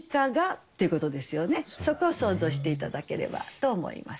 そこを想像して頂ければと思います。